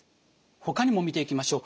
ほかにも見ていきましょう。